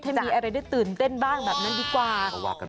ให้มีอะไรได้ตื่นเต้นบ้างแบบนั้นดีกว่า